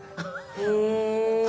へえ。